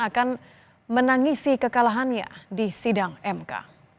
akan menangisi kekalahannya di sidang mk